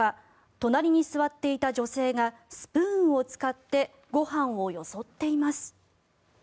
隣に座っていた女性がスプーンを使ってご飯をよそっています。